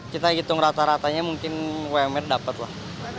kita hitung rata ratanya mungkin umr dapat lah